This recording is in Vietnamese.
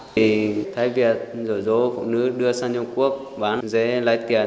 thì thấy việc dỗ dỗ phụ nữ đưa sang trung quốc bán dễ lấy tiền